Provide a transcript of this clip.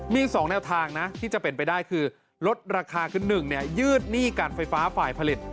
มี๒แนวทางนะที่จะเป็นไปได้คือลดราคาคือ๑ยืดหนี้การไฟฟ้าฝ่ายผลิต